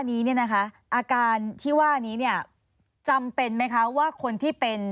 ซึ่งอาการที่ว่านี้จำเป็นไหมคะว่าคนที่เป็น